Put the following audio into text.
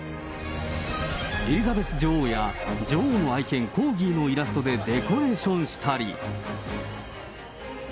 エリザベス女王や女王の愛犬、コーギーのイラストでデコレーションしたり。